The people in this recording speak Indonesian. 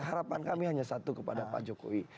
harapan kami hanya satu kepada pak jokowi